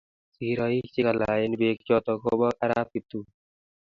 Sigiroik che kalaaen pek choto kobo arap Kiptum.